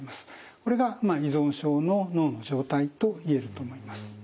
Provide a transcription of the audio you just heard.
これが依存症の脳の状態と言えると思います。